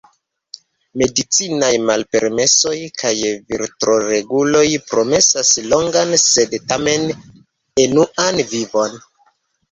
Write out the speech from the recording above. Medicinaj malpermesoj kaj virtoreguloj promesas longan sed tamen enuan vivon.